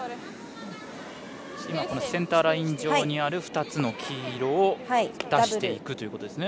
センターライン上にある２つの黄色を出していくと。